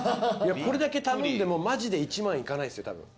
これだけ頼んでもマジで１万いかないですよたぶん。